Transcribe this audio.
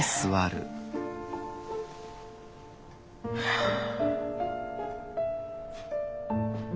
はあ。